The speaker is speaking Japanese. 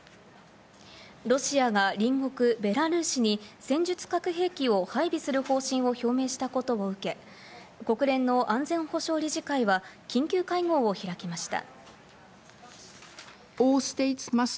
ロシアが隣国ベラルーシに戦術核兵器を配備する方針を表明したことを受け、国連の安全保障理事会は緊急会合を開きました。